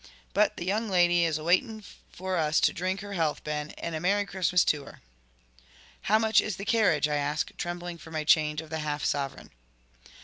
But the young lady is awaiting for us to drink her health, Ben, and a merry Christmas to her." "How much is the carriage?" I ask, trembling for my change of the half sovereign.